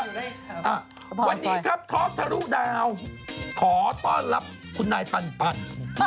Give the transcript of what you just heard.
สวัสดีครับทอคทะลุดาวขอต้อนรับคุณนายปันปัน